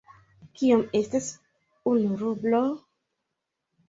Kiom estas unu rublo?